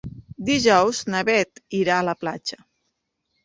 Dijous na Bet irà a la platja.